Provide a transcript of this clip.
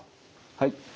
はい。